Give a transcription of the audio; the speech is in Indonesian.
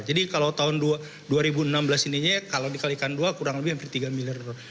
jadi kalau tahun dua ribu enam belas ini kalau dikalikan dua kurang lebih hampir tiga miliar dolar